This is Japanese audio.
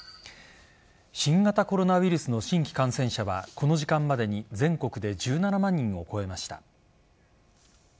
新型コロナウイルスの新規感染者はこの時間までに全国で１７万人を超えました。